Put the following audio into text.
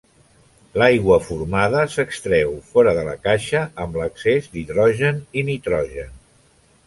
L'aigua formada s'extreu fora de la caixa amb l'excés d'hidrogen i nitrogen.